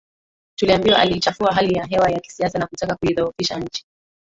Tuliambiwa aliichafua hali ya hewa ya kisiasa na kutaka kuidhoofisha nchi